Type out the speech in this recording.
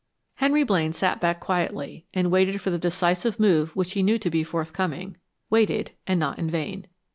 Hence Blaine sat back quietly, and waited for the decisive move which he knew to be forthcoming waited, and not in vain.